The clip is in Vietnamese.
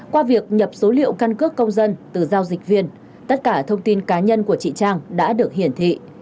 qua việc nhập số liệu căn cước công dân từ giao dịch viên tất cả thông tin cá nhân của chị trang đã được hiển thị